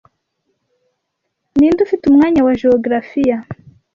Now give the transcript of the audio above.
Ninde ufite umwanya wa geografiya